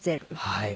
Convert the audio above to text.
はい。